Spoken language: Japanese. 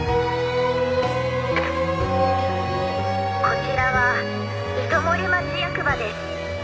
こちらは糸守町役場です。